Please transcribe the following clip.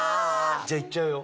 じゃあいっちゃうよ。